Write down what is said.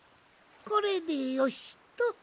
これでよしっと。